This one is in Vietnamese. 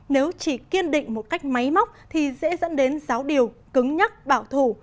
nếu chỉ kiên định một cách máy móc thì dễ dẫn đến giáo điều cứng nhắc bảo thủ